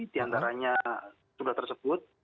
di antaranya sudah tersebut